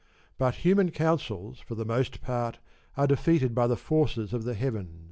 But human counsels for the most part are defeated by the forces of the heaven.